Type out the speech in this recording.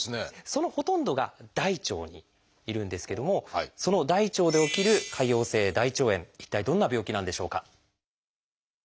そのほとんどが大腸にいるんですけどもその大腸で起きる潰瘍性大腸炎一体どんな病気なんでしょうか？